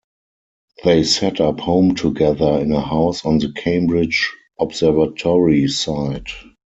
They set up home together in a house on the Cambridge Observatory site.